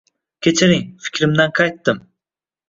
Kechiring, fikrimdan qaytdim.